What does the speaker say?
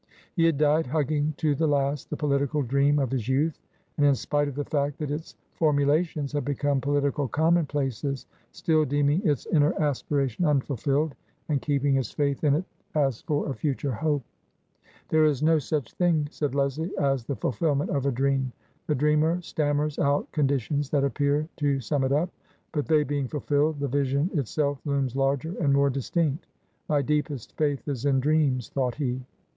He had died hugging to the last the political dream of his youth, and, in spite of the fact that its formula tions had become political commonplaces, still deeming its inner aspiration unfulfilled and keeping his faith in it as for a future hope. " There is no such thing," said Leslie, " as the fulfil ment of a dream. The dreamer stammers out conditions that appear to sum it up, but, they being fulfilled, the vision itself looms larger and more distinct. My deepest faith is in dreams," thought he.